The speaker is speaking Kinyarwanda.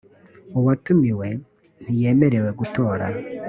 uwatumiwe ntiyemerewe gutora